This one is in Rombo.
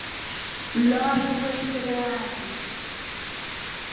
Nilo washa kwa ishelewa atri.